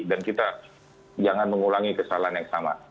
dan kita jangan mengulangi kesalahan yang sama